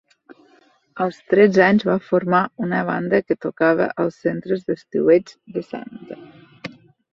Als tretze anys va formar una banda que tocava als centres d'estiueig de Santa